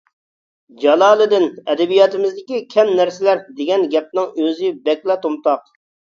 جالالىدىن: «ئەدەبىياتىمىزدىكى كەم نەرسىلەر» دېگەن گەپنىڭ ئۆزى بەكلا تومتاق.